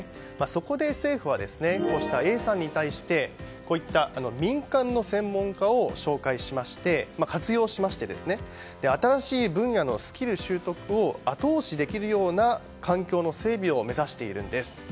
そこで、政府はＡさんに対して民間の専門家を紹介しまして活用しまして新しい分野のスキル習得を後押しできるような環境の整備を目指しているんです。